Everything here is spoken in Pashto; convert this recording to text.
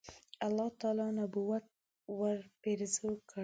الله تعالی نبوت ورپېرزو کړ.